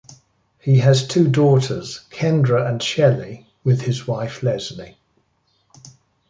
He has two daughters, Kendra and Shelly, with his wife Leslie.